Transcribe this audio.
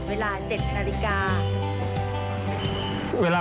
สวัสดีครับ